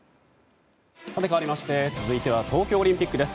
かわりまして続いては東京オリンピックです。